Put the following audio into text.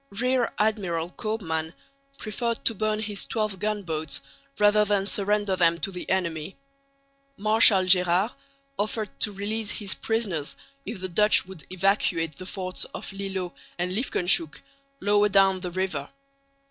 Rear Admiral Koopman preferred to burn his twelve gunboats rather than surrender them to the enemy. Marshal Gérard offered to release his prisoners if the Dutch would evacuate the forts of Lillo and Liefkenshoeck, lower down the river.